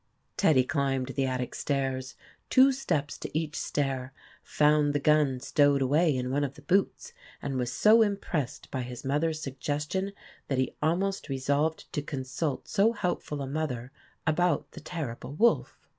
Teddy climbed the attic stairs, two steps to each stair, found the gun stowed away in one of the boots, and was so impressed by his mother's suggestion that he almost resolved to consult so helpful a mother about the terrible wolf.